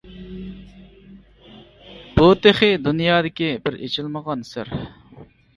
بۇ تېخى دۇنيادىكى بىر ئېچىلمىغان سىر.